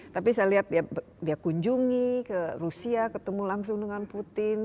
tapi saya lihat dia kunjungi ke rusia ketemu langsung dengan putin